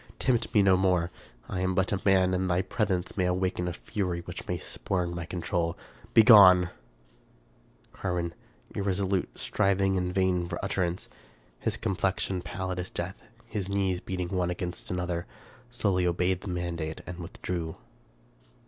Tempt me no more. I am but a man, and thy presence may awaken a fury which may spurn my control. Begone !" Carwin, irresolute, striving in vain for utterance, his complexion pallid as death, his knees beating one against another, slowly obeyed the mandate and withdrew.